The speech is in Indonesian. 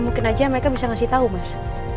mungkin aja mereka bisa ngasih tahu mas